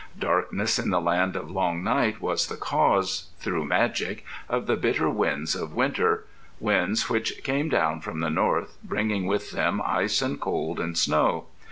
Darkness in the Land of Long Night was the cause, through magic, of the bitter winds of winter winds which came down from the North, bringing with them ice and cold and snow.